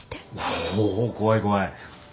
おお怖い怖い。